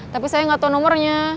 tapi saya nggak tahu nomornya